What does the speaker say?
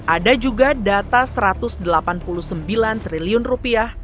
ada juga data satu ratus delapan puluh sembilan triliun rupiah